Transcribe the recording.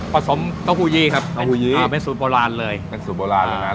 ผสมโต๊ะฮูยีครับโต๊ะฮูยีอ่าเป็นสูตรโบราณเลยเป็นสูตรโบราณเลยน่ะ